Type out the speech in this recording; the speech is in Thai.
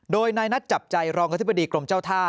โดยนายนัดจับใจรองอธิบดีกรมเจ้าท่า